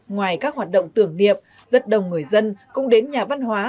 ngoài các hoạt động tưởng niệm rất đông người dân cũng đến nhà văn hóa